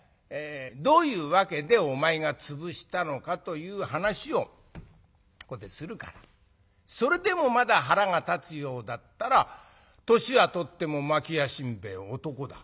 どういう訳でお前が潰したのかという話をここでするからそれでもまだ腹が立つようだったら年は取っても桝屋新兵衛男だ。